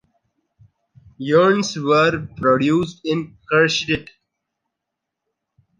Urns were produced in Kahrstedt.